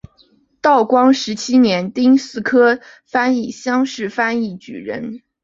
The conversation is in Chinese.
道光十七年丁酉科翻译乡试翻译举人。